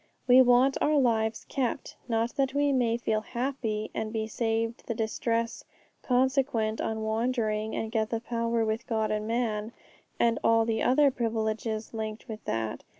We want our lives kept, not that we may feel happy, and be saved the distress consequent on wandering, and get the power with God and man, and all the other privileges linked with it.